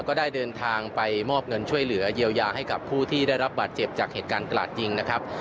ก็ได้เดินทางไปมอบเงินช่วยเหลือเยียวยาให้กับผู้ที่ได้รับบาดเจ็บจากเหตุการณ์กระลาดยิงนะครับ